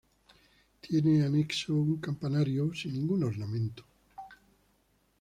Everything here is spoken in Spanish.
Tiene anexo un campanario sin ningún ornamento.